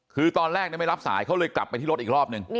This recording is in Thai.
คือตอนแรกไม่รับสายเขาเลยกลับไปที่รถอีกรอบนึง